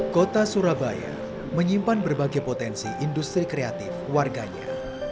kota surabaya menyimpan berbagai potensi industri kreatif warganya